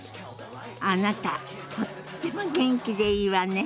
あなたとっても元気でいいわね！